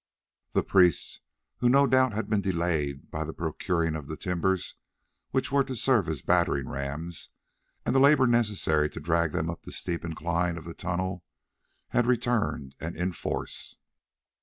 The priests, who no doubt had been delayed by the procuring of the timbers which were to serve as battering rams, and the labour necessary to drag them up the steep incline of the tunnel, had returned, and in force.